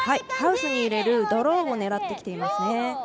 ハウスに入れるドローを狙ってきていますね。